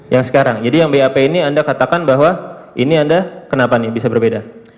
yang sekarang jadi yang bap ini anda katakan bahwa ini anda kenapa nih bisa berbeda